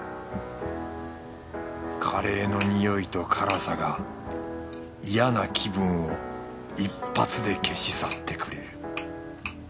カレーの匂いと辛さがイヤな気分を一発で消し去ってくれる